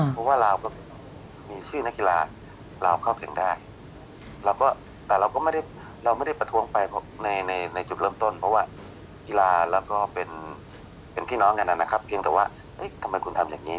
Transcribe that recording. เพราะว่าเราก็มีชื่อนักกีฬาเราเข้าแข่งได้แต่เราก็ไม่ได้ประทวงไปในจุดเริ่มต้นเพราะว่ากีฬาเราก็เป็นพี่น้องอย่างนั้นนะครับเพียงแต่ว่าเอ๊ะทำไมคุณทำอย่างนี้